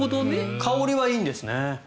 香りはいいんですね。